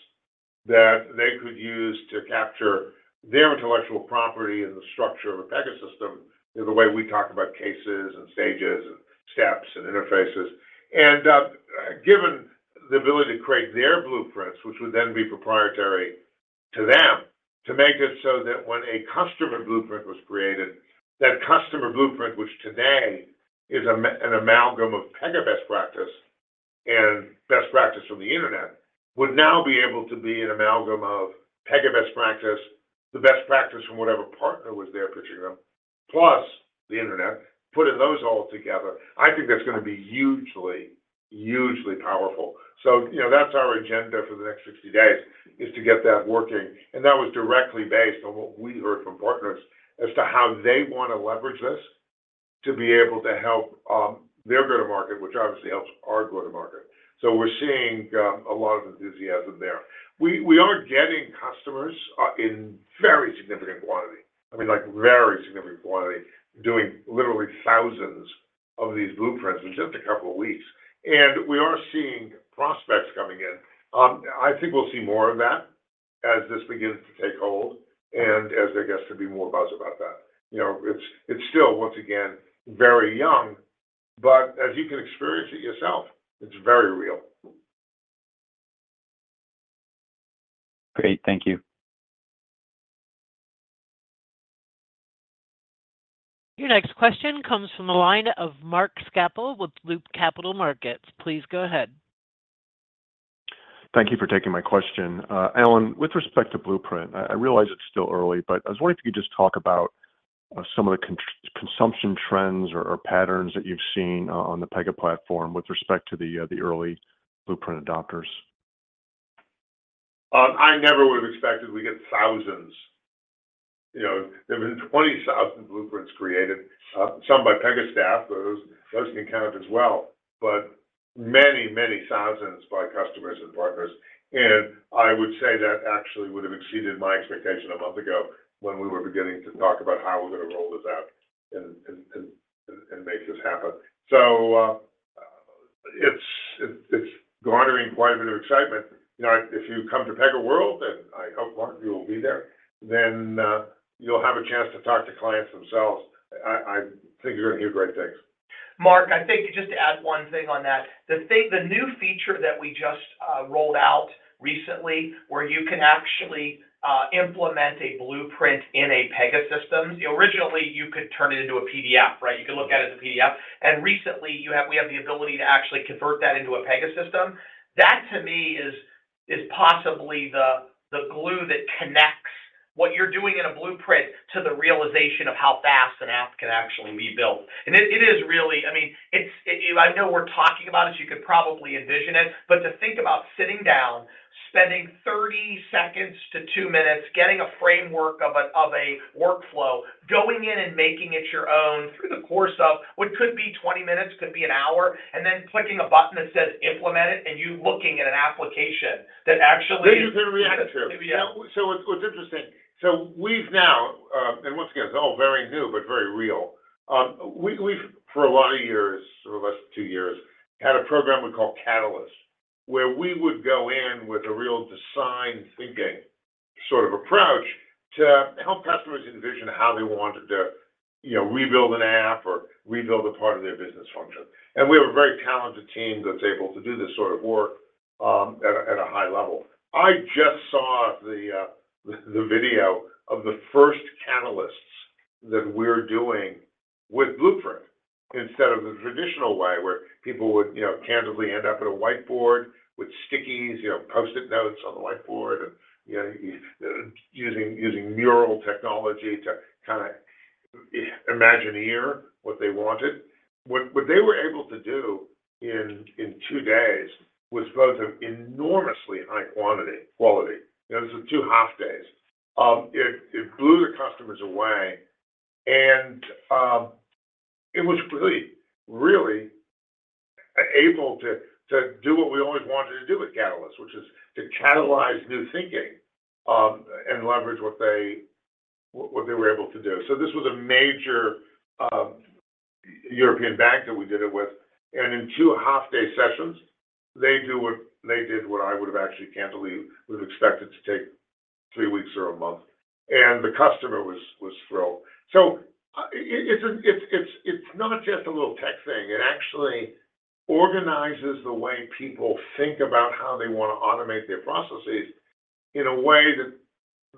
that they could use to capture their intellectual property and the structure of a Pega system, the way we talk about cases and stages and steps and interfaces. And given the ability to create their blueprints, which would then be proprietary to them, to make it so that when a customer blueprint was created, that customer blueprint, which today is an amalgam of Pega best practice and best practice from the internet, would now be able to be an amalgam of Pega best practice, the best practice from whatever partner was there pitching them, plus the internet. Put in those all together, I think that's going to be hugely, hugely powerful. So that's our agenda for the next 60 days, is to get that working. And that was directly based on what we heard from partners as to how they want to leverage this to be able to help their go-to-market, which obviously helps our go-to-market. So we're seeing a lot of enthusiasm there. We are getting customers in very significant quantity, I mean, very significant quantity, doing literally thousands of these blueprints in just a couple of weeks. And we are seeing prospects coming in. I think we'll see more of that as this begins to take hold and as there gets to be more buzz about that. It's still, once again, very young. But as you can experience it yourself, it's very real.
Great. Thank you.
Your next question comes from the line of Mark Schappel with Loop Capital Markets. Please go ahead.
Thank you for taking my question. Alan, with respect to Blueprint, I realize it's still early, but I was wondering if you could just talk about some of the consumption trends or patterns that you've seen on the Pega platform with respect to the early Blueprint adopters.
I never would have expected we'd get thousands. There have been 20,000 blueprints created, some by Pega staff. Those can count as well, but many, many thousands by customers and partners. I would say that actually would have exceeded my expectation a month ago when we were beginning to talk about how we're going to roll this out and make this happen. It's garnering quite a bit of excitement. If you come to PegaWorld, and I hope, Mark, you will be there, then you'll have a chance to talk to clients themselves. I think you're going to hear great things.
Mark, I think just to add one thing on that, the new feature that we just rolled out recently where you can actually implement a blueprint in a Pegasystem, originally, you could turn it into a PDF, right? You could look at it as a PDF. Recently, we have the ability to actually convert that into a Pegasystem. That, to me, is possibly the glue that connects what you're doing in a blueprint to the realization of how fast an app can actually be built. It is really. I mean, I know we're talking about it. You could probably envision it. But to think about sitting down, spending 30 seconds to 2 minutes, getting a framework of a workflow, going in and making it your own through the course of what could be 20 minutes, could be 1 hour, and then clicking a button that says, "Implement it," and you looking at an application that actually that you can react to.
So what's interesting, so we've now and once again, it's all very new but very real. We've, for a lot of years, sort of less than two years, had a program we call Catalyst where we would go in with a real design-thinking sort of approach to help customers envision how they wanted to rebuild an app or rebuild a part of their business function. We have a very talented team that's able to do this sort of work at a high level. I just saw the video of the first catalysts that we're doing with Blueprint instead of the traditional way where people would candidly end up at a whiteboard with stickies, Post-it notes on the whiteboard, and using Mural technology to kind of imagineer what they wanted. What they were able to do in two days was both an enormously high quantity, quality. It was two half-days. It blew the customers away. And it was really, really able to do what we always wanted to do with Catalyst, which is to catalyze new thinking and leverage what they were able to do. So this was a major European bank that we did it with. And in two half-day sessions, they did what I would have actually candidly expected to take three weeks or a month. And the customer was thrilled. So it's not just a little tech thing. It actually organizes the way people think about how they want to automate their processes in a way that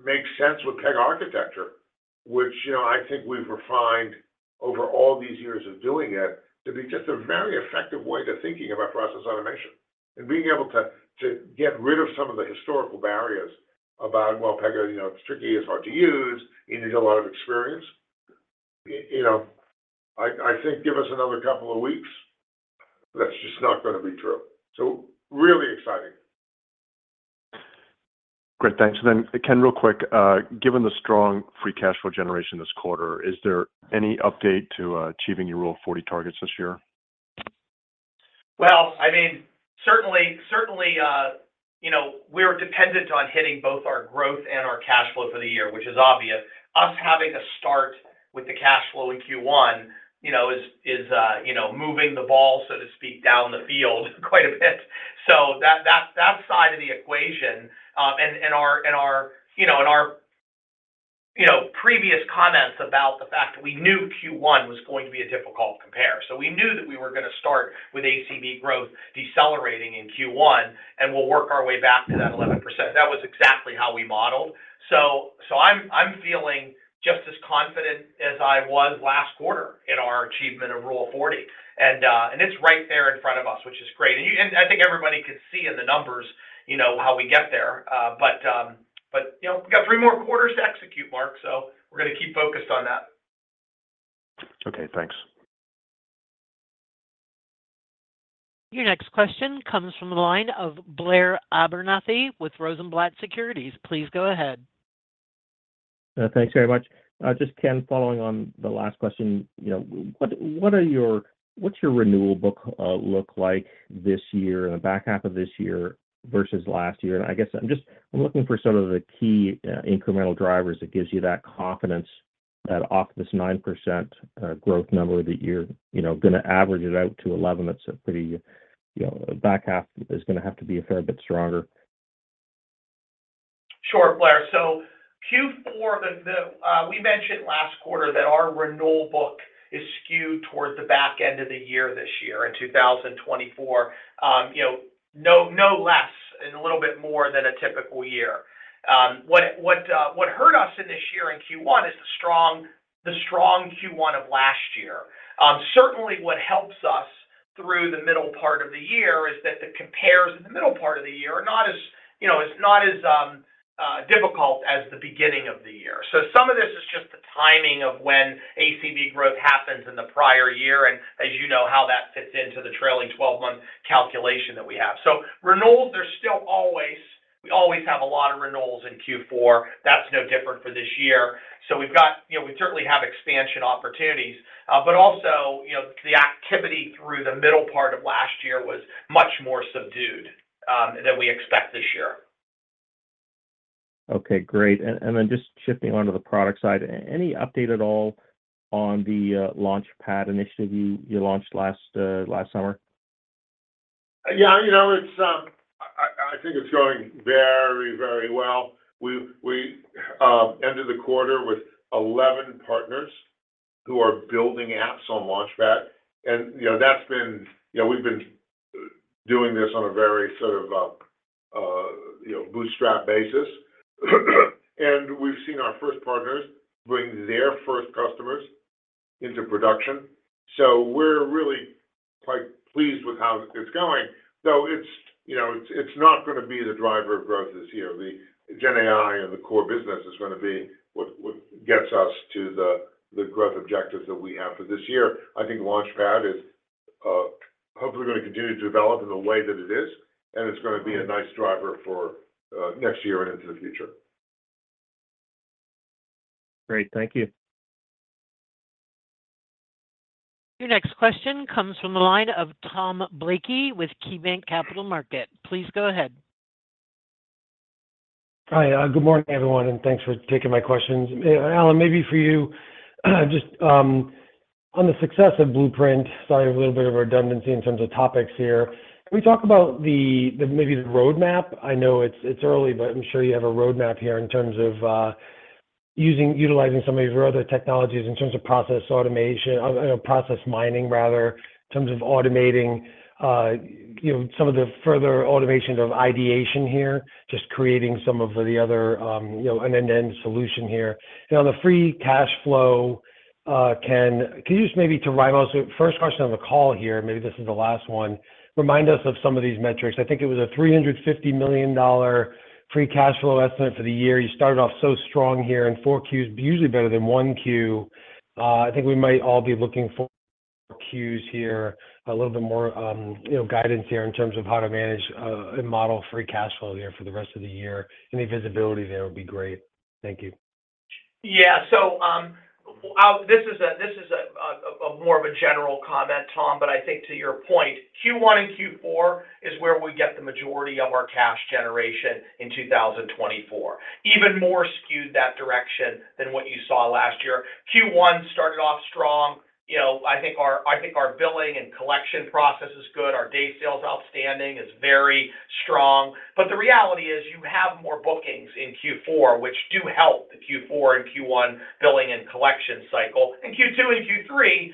makes sense with Pega architecture, which I think we've refined over all these years of doing it to be just a very effective way to thinking about process automation and being able to get rid of some of the historical barriers about, "Well, Pega, it's tricky. It's hard to use. You need a lot of experience. I think give us another couple of weeks." That's just not going to be true. So really exciting.
Great. Thanks. And then, Ken, real quick, given the strong free cash flow generation this quarter, is there any update to achieving your Rule 40 targets this year?
Well, I mean, certainly, we're dependent on hitting both our growth and our cash flow for the year, which is obvious. Us having a start with the cash flow in Q1 is moving the ball, so to speak, down the field quite a bit. So that side of the equation and our previous comments about the fact that we knew Q1 was going to be a difficult compare. So we knew that we were going to start with ACV growth decelerating in Q1, and we'll work our way back to that 11%. That was exactly how we modeled. So I'm feeling just as confident as I was last quarter in our achievement of Rule 40. And it's right there in front of us, which is great. And I think everybody could see in the numbers how we get there. But we've got three more quarters to execute, Mark. So we're going to keep focused on that.
Okay. Thanks.
Your next question comes from the line of Blair Abernethy with Rosenblatt Securities. Please go ahead.
Thanks very much. Just, Ken, following on the last question, what's your renewal book look like this year, in the back half of this year versus last year? And I guess I'm looking for sort of the key incremental drivers that gives you that confidence that off this 9% growth number that you're going to average it out to 11%, it's a pretty back half is going to have to be a fair bit stronger.
Sure, Blair. So Q4, we mentioned last quarter that our renewal book is skewed toward the back end of the year this year, in 2024, no less and a little bit more than a typical year. What hurt us in this year in Q1 is the strong Q1 of last year. Certainly, what helps us through the middle part of the year is that the compares in the middle part of the year are not as difficult as the beginning of the year. So some of this is just the timing of when ACV growth happens in the prior year and as you know how that fits into the trailing 12-month calculation that we have. So renewals, there's still always we always have a lot of renewals in Q4. That's no different for this year. So we certainly have expansion opportunities. But also, the activity through the middle part of last year was much more subdued than we expect this year.
Okay. Great. And then just shifting onto the product side, any update at all on the Launchpad initiative you launched last summer?
Yeah. I think it's going very, very well. We ended the quarter with 11 partners who are building apps on Launchpad. And that's been we've been doing this on a very sort of bootstrap basis. And we've seen our first partners bring their first customers into production. So we're really quite pleased with how it's going. Though it's not going to be the driver of growth this year. The GenAI and the core business is going to be what gets us to the growth objectives that we have for this year. I think Launchpad is hopefully going to continue to develop in the way that it is. And it's going to be a nice driver for next year and into the future.
Great. Thank you.
Your next question comes from the line of Tom Blakey with KeyBanc Capital Markets. Please go ahead.
Hi. Good morning, everyone. And thanks for taking my questions. Alan, maybe for you, just on the success of Blueprint, sorry, a little bit of redundancy in terms of topics here. Can we talk about maybe the roadmap? I know it's early, but I'm sure you have a roadmap here in terms of utilizing some of your other technologies in terms of process automation process mining, rather, in terms of automating some of the further automation of ideation here, just creating some of the other end-to-end solution here. On the free cash flow, Ken, can you just maybe to remind us first question on the call here, and maybe this is the last one, remind us of some of these metrics. I think it was a $350 million free cash flow estimate for the year. You started off so strong here in 4Q, usually better than 1Q. I think we might all be looking for cues here, a little bit more guidance here in terms of how to manage and model free cash flow here for the rest of the year. Any visibility there would be great. Thank you.
Yeah. So this is more of a general comment, Tom, but I think to your point, Q1 and Q4 is where we get the majority of our cash generation in 2024, even more skewed that direction than what you saw last year. Q1 started off strong. I think our billing and collection process is good. Our Day Sales outstanding is very strong. But the reality is you have more bookings in Q4, which do help the Q4 and Q1 billing and collection cycle. And Q2 and Q3,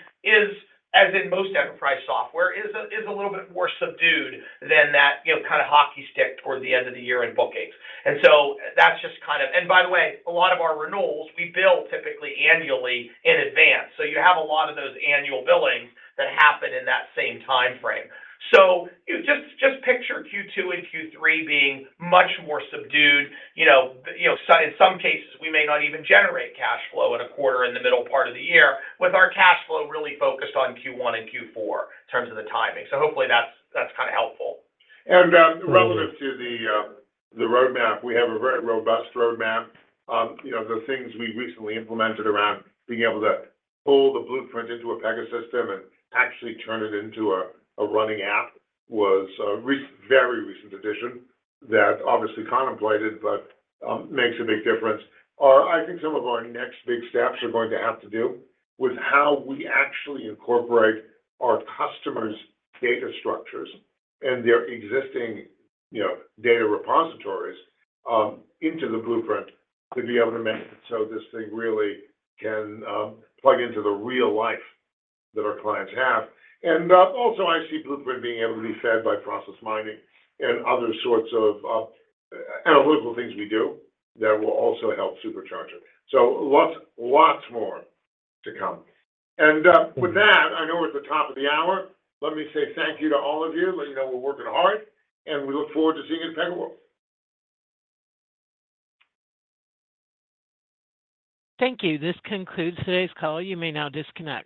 as in most enterprise software, is a little bit more subdued than that kind of hockey stick toward the end of the year in bookings. And so that's just kind of, and by the way, a lot of our renewals, we bill typically annually in advance. So you have a lot of those annual billings that happen in that same time frame. So just picture Q2 and Q3 being much more subdued. In some cases, we may not even generate cash flow in a quarter in the middle part of the year with our cash flow really focused on Q1 and Q4 in terms of the timing. So hopefully, that's kind of helpful.
And relative to the roadmap, we have a very robust roadmap. The things we recently implemented around being able to pull the Blueprint into a Pegasystem and actually turn it into a running app was a very recent addition that obviously contemplated but makes a big difference. I think some of our next big steps are going to have to do with how we actually incorporate our customers' data structures and their existing data repositories into the Blueprint to be able to make it so this thing really can plug into the real life that our clients have. And also, I see Blueprint being able to be fed by process mining and other sorts of analytical things we do that will also help supercharge it. So lots more to come. And with that, I know we're at the top of the hour. Let me say thank you to all of you. Let you know we're working hard, and we look forward to seeing you at PegaWorld.
Thank you. This concludes today's call. You may now disconnect.